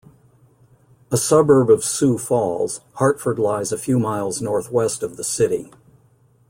A suburb of Sioux Falls, Hartford lies a few miles northwest of the city.